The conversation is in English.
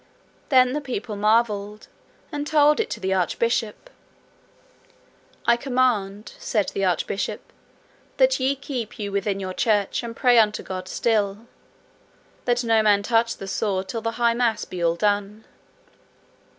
Then the people marvelled, and told it to the Archbishop. I command, said the Archbishop, that ye keep you within your church and pray unto God still, that no man touch the sword till the high mass be all done.